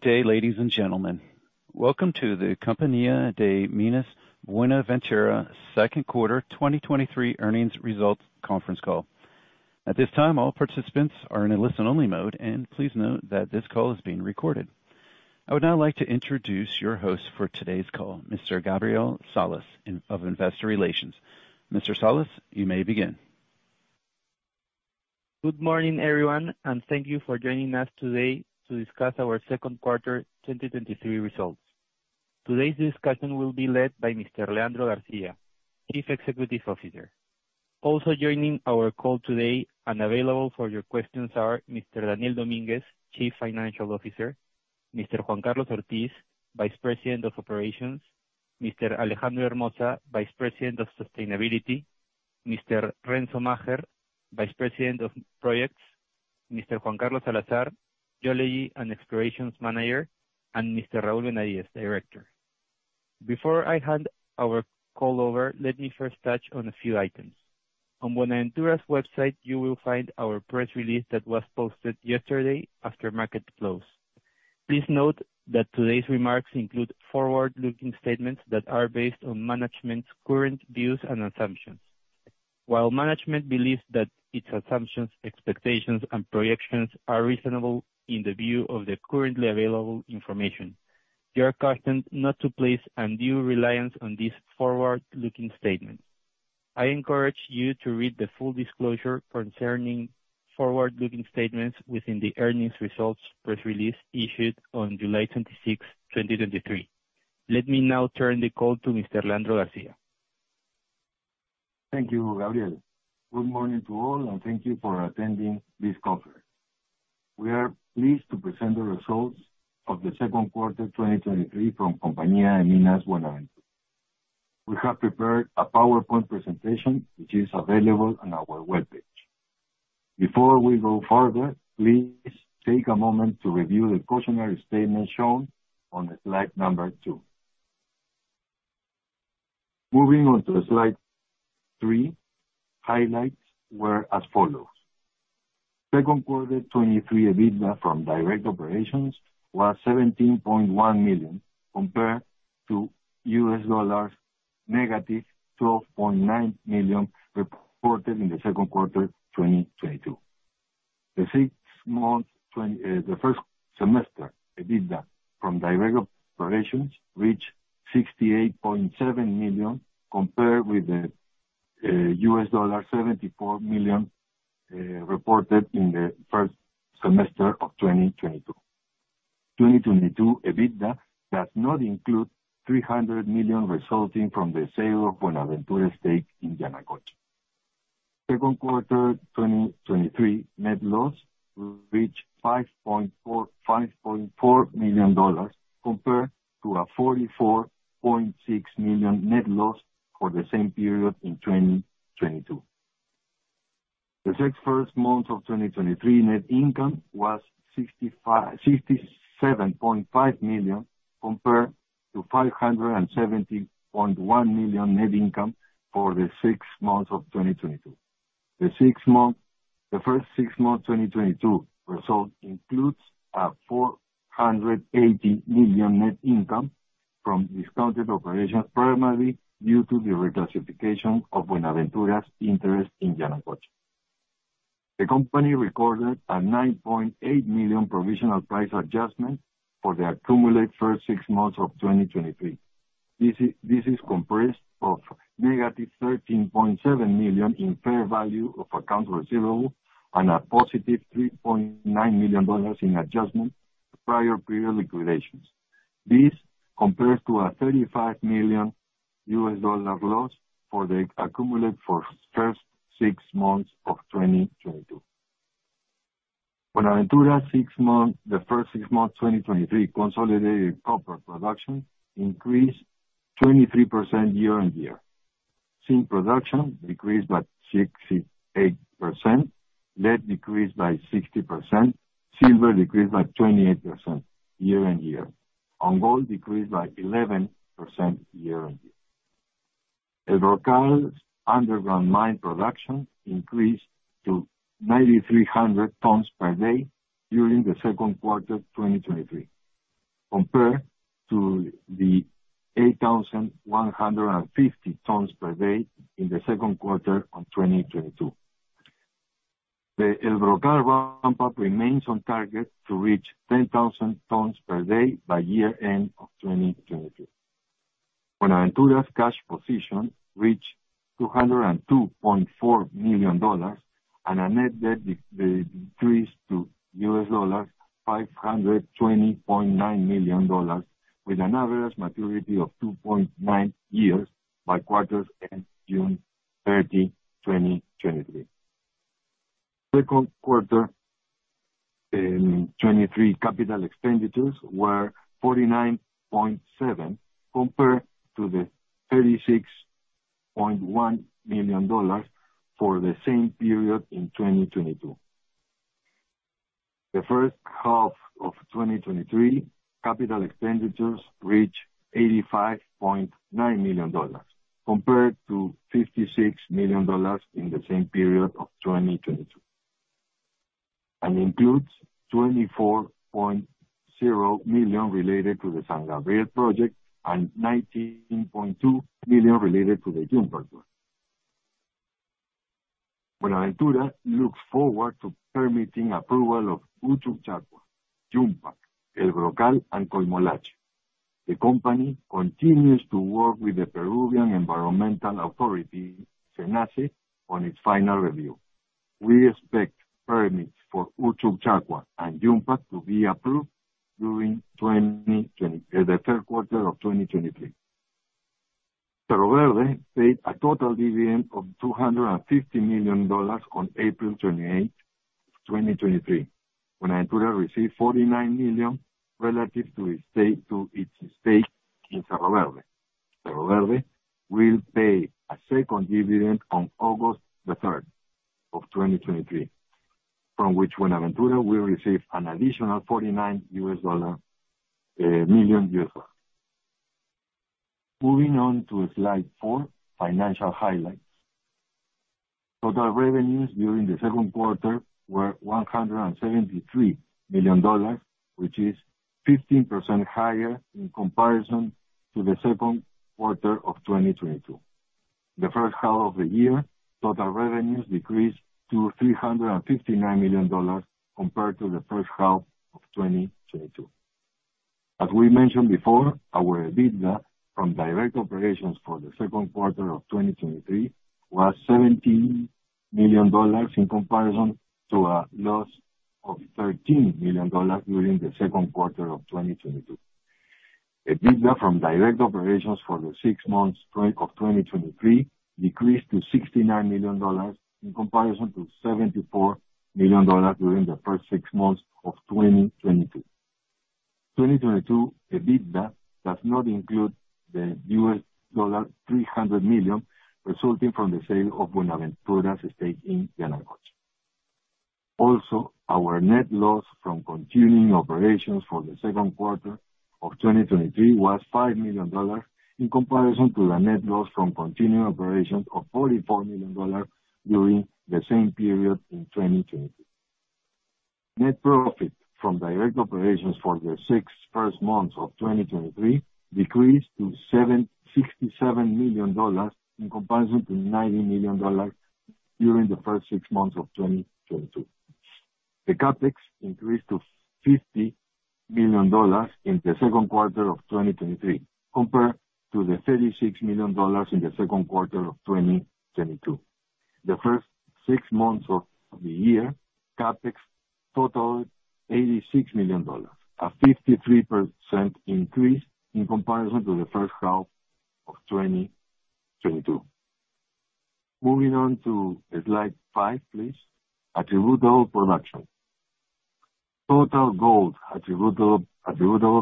Good day, ladies and gentlemen. Welcome to the Compañía de Minas Buenaventura second quarter 2023 earnings results conference call. At this time, all participants are in a listen-only mode. Please note that this call is being recorded. I would now like to introduce your host for today's call, Mr. Gabriel Salas, Head of Investor Relations. Mr. Salas, you may begin. Good morning, everyone, and thank you for joining us today to discuss our second quarter 2023 results. Today's discussion will be led by Mr. Leandro Garcia, Chief Executive Officer. Also joining our call today and available for your questions are Mr. Daniel Dominguez, Chief Financial Officer, Mr. Juan Carlos Ortiz, Vice President of Operations, Mr. Alejandro Hermoza, Vice President of Sustainability, Mr. Renzo Macher, Vice President of Projects, Mr. Juan Carlos Salazar, Geology and Explorations Manager, and Mr. Raul Benavides, Director. Before I hand our call over, let me first touch on a few items. On Buenaventura's website, you will find our press release that was posted yesterday after market close. Please note that today's remarks include forward-looking statements that are based on management's current views and assumptions. While management believes that its assumptions, expectations, and projections are reasonable in the view of the currently available information, you are cautioned not to place undue reliance on these forward-looking statements. I encourage you to read the full disclosure concerning forward-looking statements within the earnings results press release issued on July 26, 2023. Let me now turn the call to Mr. Leandro Garcia. Thank you, Gabriel. Good morning to all. Thank you for attending this conference. We are pleased to present the results of the second quarter 2023 from Compañía de Minas Buenaventura. We have prepared a PowerPoint presentation, which is available on our webpage. Before we go further, please take a moment to review the cautionary statement shown on the slide number two. Moving on to slide three, highlights were as follows: Second quarter 2023 EBITDA from direct operations was $17.1 million compared to $-12.9 million, reported in the second quarter 2022. The six months, the first semester EBITDA from direct operations reached $68.7 million, compared with the $74 million, reported in the first semester of 2022. 2022 EBITDA does not include $300 million resulting from the sale of Buenaventura's stake in Yanacocha. Second quarter 2023 net loss reached $5.4 million, compared to a $44.6 million net loss for the same period in 2022. The six first months of 2023 net income was $67.5 million, compared to $570.1 million net income for the six months of 2022. The first six months 2022 results includes a $480 million net income from discontinued operations, primarily due to the reclassification of Buenaventura's interest in Yanacocha. The company recorded a $9.8 million provisional price adjustment for the accumulate first six months of 2023. This is comprised of $-13.7 million in fair value of accounts receivable and a $+3.9 million in adjustment to prior period liquidations. This compares to a $35 million loss for the first six months of 2022. Buenaventura's first six months 2023 consolidated copper production increased 23% year-on-year. Zinc production decreased by 68%, lead decreased by 60%, silver decreased by 28% year-on-year, and gold decreased by 11% year-on-year. El Brocal's underground mine production increased to 9,300 tons per day during the second quarter of 2023, compared to the 8,150 tons per day in the second quarter of 2022. The El Brocal ramp up remains on target to reach 10,000 tons per day by year end of 2022. Buenaventura's cash position reached $202.4 million, and our net debt decreased to $520.9 million, with an average maturity of 2.9 years by quarters end June 30, 2023. Second quarter 2023 CapEx were $49.7 million, compared to the $36.1 million for the same period in 2022. The first half of 2023 CapEx reached $85.9 million, compared to $56 million in the same period of 2022. Includes $24.0 million related to the San Gabriel project and $19.2 million related to the Yumpag project. Buenaventura looks forward to permitting approval of Uchucchacua, Yumpag, El Brocal, and Coimolache. The company continues to work with the Peruvian Environmental Certification Authority, SENACE on its final review. We expect permits for Uchucchacua and Yumpag to be approved during the third quarter of 2023. Cerro Verde paid a total dividend of $250 million on April 28, 2023, when Buenaventura received $49 million relative to its stake in Cerro Verde. Cerro Verde will pay a second dividend on August 3, 2023, from which Buenaventura will receive an additional $49 million. Moving on to slide four, financial highlights. Total revenues during the second quarter were $173 million, which is 15% higher in comparison to the second quarter of 2022. The first half of the year, total revenues decreased to $359 million, compared to the first half of 2022. As we mentioned before, our EBITDA from direct operations for the second quarter of 2023 was $17 million, in comparison to a loss of $13 million during the second quarter of 2022. EBITDA from direct operations for the six months break of 2023 decreased to $69 million, in comparison to $74 million during the first six months of 2022. 2022, EBITDA does not include the $300 million, resulting from the sale of Buenaventura's stake in Yanacocha. Our net loss from continuing operations for the second quarter of 2023 was $5 million, in comparison to a net loss from continuing operations of $44 million during the same period in 2022. Net profit from direct operations for the six first months of 2023 decreased to $67 million, in comparison to $90 million during the first six months of 2022. The CapEx increased to $50 million in the second quarter of 2023, compared to the $36 million in the second quarter of 2022. The first six months of the year, CapEx totaled $86 million, a 53% increase in comparison to the first half of 2022. Moving on to slide five, please. Attributable production. Total gold attributable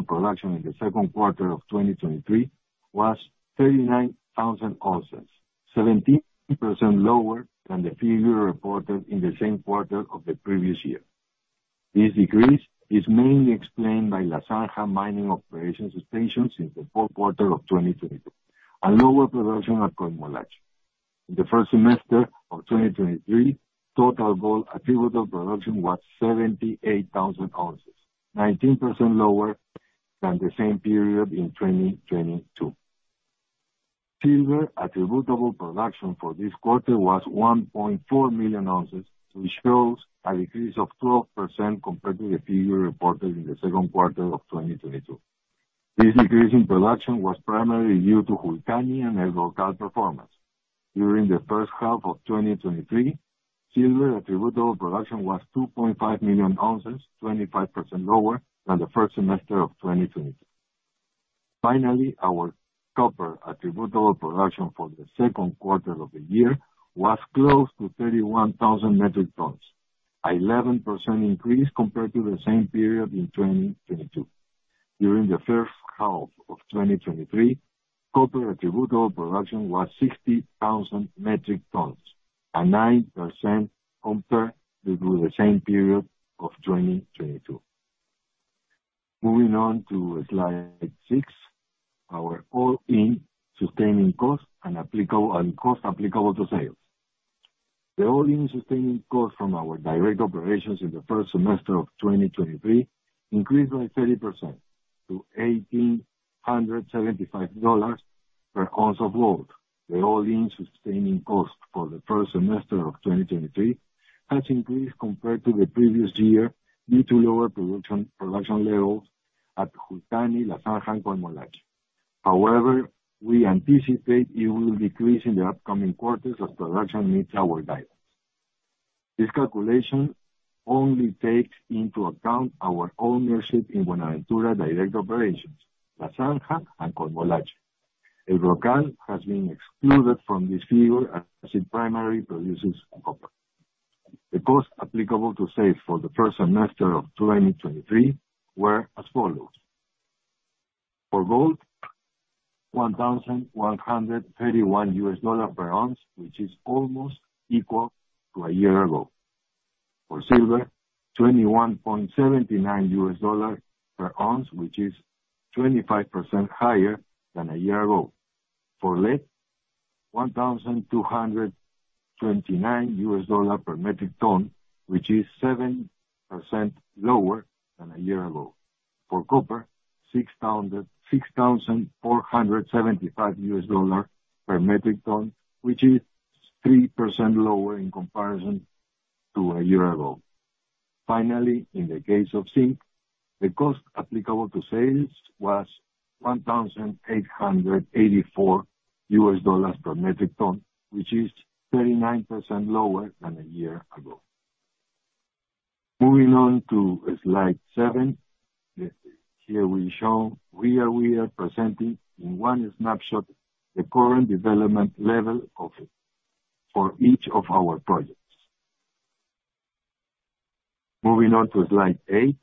production in the second quarter of 2023 was 39,000 ounces, 17% lower than the figure reported in the same quarter of the previous year. This decrease is mainly explained by La Zanja mining operation suspension since the fourth quarter of 2022, and lower production at Coimolache. In the first semester of 2023, total gold attributable production was 78,000 ounces, 19% lower than the same period in 2022. Silver attributable production for this quarter was 1.4 million ounces, which shows a decrease of 12% compared to the figure reported in the second quarter of 2022. This decrease in production was primarily due to Julcani and El Brocal performance. During the first half of 2023, silver attributable production was 2.5 million ounces, 25% lower than the first semester of 2022. Our copper attributable production for the second quarter of the year was close to 31,000 metric tons, 11% increase compared to the same period in 2022. During the first half of 2023, copper attributable production was 60,000 metric tons, a 9% compared to the same period of 2022. Moving on to slide six, our all-in sustaining cost and cost applicable to sales. The all-in sustaining cost from our direct operations in the first semester of 2023 increased by 30% to $1,875 per ounce of gold. The all-in sustaining cost for the first semester of 2023 has increased compared to the previous year, due to lower production levels at Julcani, La Zanja, and Coimolache. We anticipate it will decrease in the upcoming quarters as production meets our guidance. This calculation only takes into account our ownership in Buenaventura direct operations, La Zanja, and Coimolache. El Brocal has been excluded from this figure as it primarily produces copper. The cost applicable to sales for the first semester of 2023 were as follows: For gold, $1,131 per ounce, which is almost equal to a year ago. For silver, $21.79 per ounce, which is 25% higher than a year ago. For lead, $1,229 per metric ton, which is 7% lower than a year ago. For copper, $6,475 per metric ton, which is 3% lower in comparison to a year ago. Finally, in the case of zinc, the cost applicable to sales was $1,884 per metric ton, which is 39% lower than a year ago. Moving on to slide seven. Here we show, we are presenting in one snapshot, the current development level of, for each of our projects. Moving on to slide eight,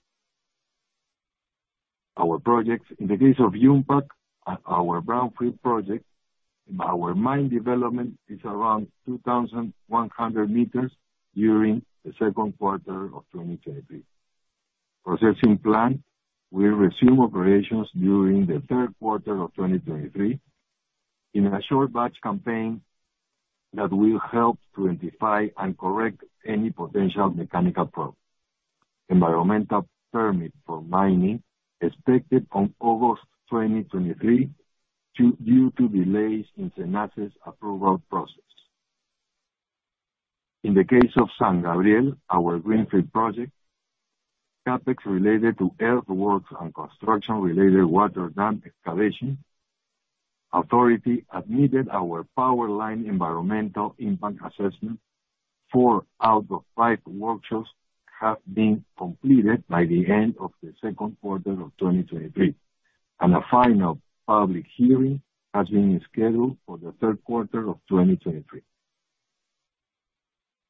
our projects. In the case of Yumpag, our brownfield project, our mine development is around 2,100 meters during the second quarter of 2023. Processing plant will resume operations during the third quarter of 2023 in a short batch campaign that will help to identify and correct any potential mechanical problems. Environmental permit for mining expected on August 2023, due to delays in SENACE's approval process. In the case of San Gabriel, our greenfield project, CapEx related to earthworks and construction-related water dam excavation. Authority admitted our power line environmental impact assessment. Four out of five workshops have been completed by the end of the second quarter of 2023, and a final public hearing has been scheduled for the third quarter of 2023.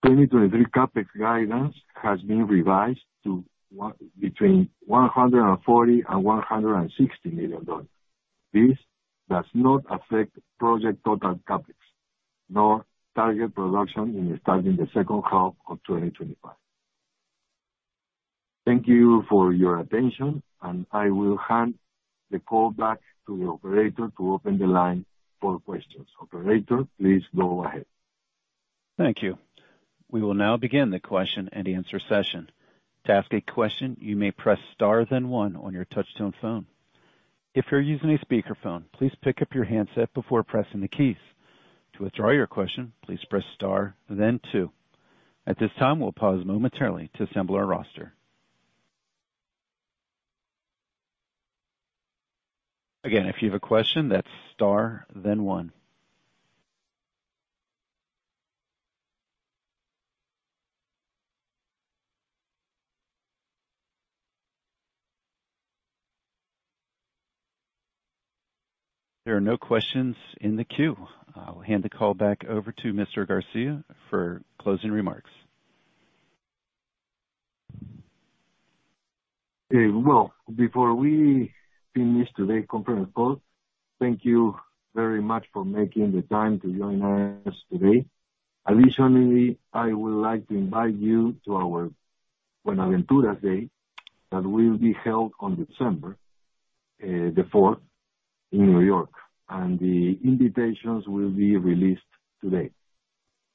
2023 CapEx guidance has been revised to between $140 million and $160 million. This does not affect project total CapEx, nor target production in starting the second half of 2025. Thank you for your attention, and I will hand the call back to the operator to open the line for questions. Operator, please go ahead. Thank you. We will now begin the question and answer session. To ask a question, you may press star then one on your touchtone phone. If you're using a speakerphone, please pick up your handset before pressing the keys. To withdraw your question, please press star then two. At this time, we'll pause momentarily to assemble our roster. Again, if you have a question, that's star then one. There are no questions in the queue. I'll hand the call back over to Mr. Garcia for closing remarks. Okay, well, before we finish today's conference call, thank you very much for making the time to join us today. Additionally, I would like to invite you to our Buenaventura Day, that will be held on December 4th in New York, and the invitations will be released today.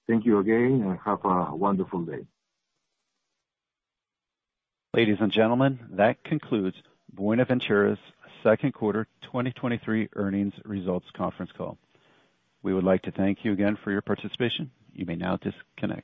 Thank you again, and have a wonderful day. Ladies and gentlemen, that concludes Buenaventura's second quarter 2023 earnings results conference call. We would like to thank you again for your participation. You may now disconnect.